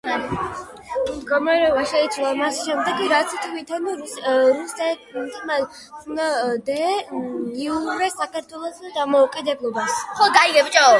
მდგომარეობა შეიცვალა მას შემდეგ, რაც თვით რუსეთმა ცნო დე იურე საქართველოს დამოუკიდებლობა.